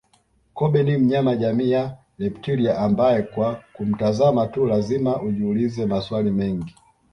Kobe ni mnyama jamii ya reptilia ambaye kwa kumtazama tu lazima ujiulize maswali mengi